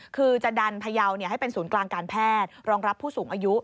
คือจะดันพยาวให้เป็นศูนย์กลางการแพทย์รองรับผู้สูงอายุ